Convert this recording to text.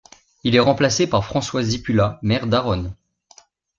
Il est remplacé par François Szypula, maire d'Arronnes.